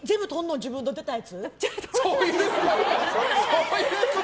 自分の出たやつ。